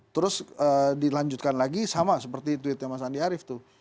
terus dilanjutkan lagi sama seperti tweetnya mas andi arief tuh